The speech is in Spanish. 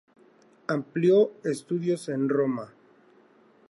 Amplió estudios en Roma.